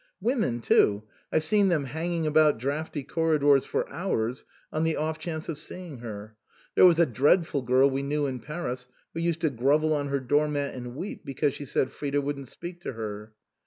" Women, too I've seen them hanging about draughty corridors for hours on the off chance of seeing her. There was a dreadful girl we knew in Paris, who used to grovel on her door mat and weep because she said Frida wouldn't speak to her.